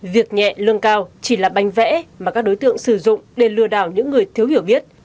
việc nhẹ lương cao chỉ là bánh vẽ mà các đối tượng sử dụng để lừa đảo những người thiếu hiểu biết